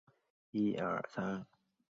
佩尔莱和卡斯泰莱。